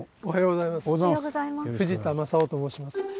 おはようございます。